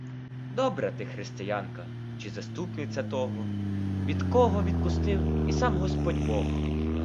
Добра ти християнка чи заступниця того, від кого відступив і сам господь бог?